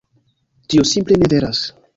Tio simple ne veras.